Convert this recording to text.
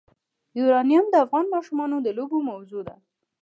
یورانیم د افغان ماشومانو د لوبو موضوع ده.